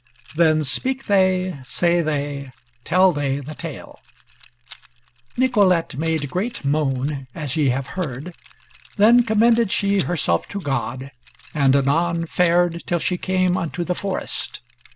Then speak they, say they, tell they the Tale: Nicolete made great moan, as ye have heard; then commended she herself to God, and anon fared till she came unto the forest.